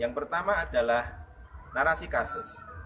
yang pertama adalah narasi kasus